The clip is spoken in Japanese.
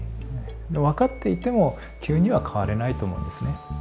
分かっていても急には変われないと思うんですね。